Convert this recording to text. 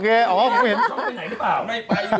ไม่ได้ไปอยู่ในนี่นี่แหละ